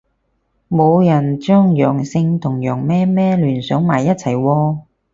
冇人將陽性同羊咩咩聯想埋一齊喎